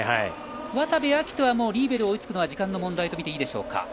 渡部暁斗はリーベルに追いつくのは時間の問題とみていいでしょうか？